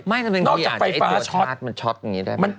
ไม่แต่มันอาจจะไอ้ตัวช็อตมันช็อตอย่างงี้ได้ไหม